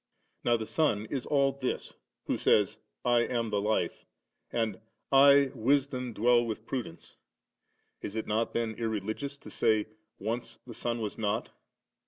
Now the Son is all this, who says, * I am the Life «<>,' and, ' I Wisdom dwell with prudence ".* Is it not then irreligious to say, * Once the Son was not